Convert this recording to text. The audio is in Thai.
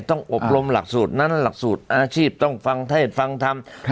อบรมหลักสูตรนั้นหลักสูตรอาชีพต้องฟังเทศฟังธรรม